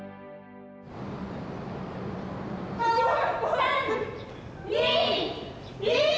３２１！